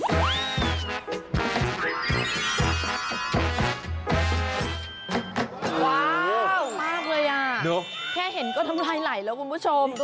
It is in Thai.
ว้าวน่ากินมากเลยอ่ะแค่เห็นน่าทำลายแล้วคุณผู้ชม